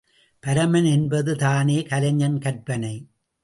பரமன் என்பது தானே கலைஞன் கற்பனை.